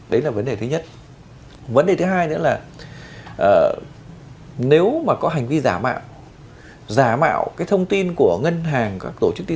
đấy là vấn đề thứ nhất